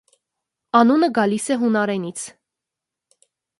Անունը գալիս է հունարենից։